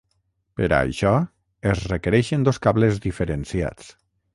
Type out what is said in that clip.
Per a això es requereixen dos cables diferenciats.